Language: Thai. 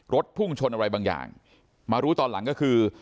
พุ่งชนอะไรบางอย่างมารู้ตอนหลังก็คือ